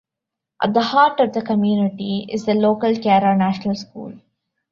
At the heart of the community is the local Carra National School.